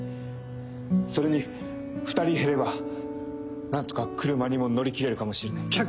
それに２人減れば何とか車にも乗り切れるかもしれない。